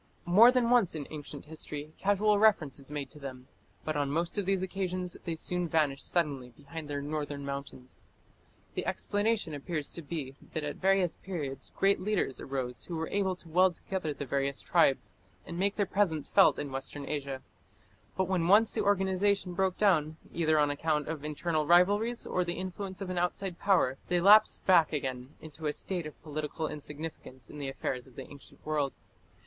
More than once in ancient history casual reference is made to them; but on most of these occasions they soon vanish suddenly behind their northern mountains. The explanation appears to be that at various periods great leaders arose who were able to weld together the various tribes, and make their presence felt in Western Asia. But when once the organization broke down, either on account of internal rivalries or the influence of an outside power, they lapsed back again into a state of political insignificance in the affairs of the ancient world.